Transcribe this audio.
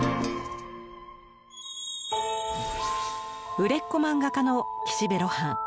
売れっ子漫画家の岸辺露伴。